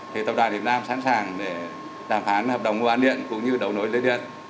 thì tập đoàn việt nam sẵn sàng để đàm phán hợp đồng mua bán điện cũng như đầu nối lưới điện